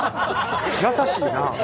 優しいな。